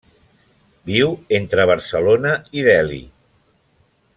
Viu entre Barcelona i Delhi.